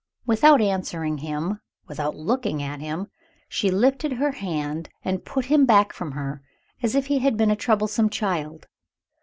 Without answering him, without looking at him, she lifted her hand, and put him back from her as if he had been a troublesome child.